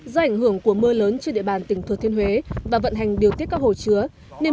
do ảnh hưởng của mưa lớn trên địa bàn tỉnh thừa thiên huế và vận hành điều tiết các hồ chứa nên